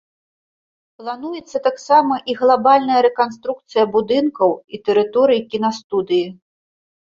Плануецца таксама і глабальная рэканструкцыя будынкаў і тэрыторый кінастудыі.